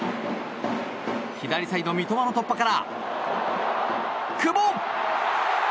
左サイド、三笘の突破から久保！